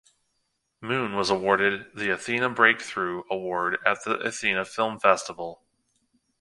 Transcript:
Moon was awarded the Athena Breakthrough Award at the Athena Film Festival.